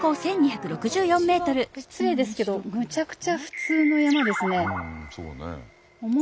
失礼ですけどむちゃくちゃ普通の山ですね。